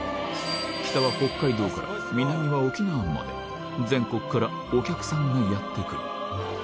北は北海道から南は沖縄まで、全国からお客さんがやって来る。